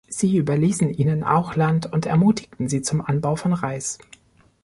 Sie überließen ihnen auch Land und ermutigten sie zum Anbau von Reis.